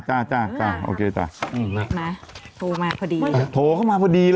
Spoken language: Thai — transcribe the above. ว่าบอกเขาจะพูดอีก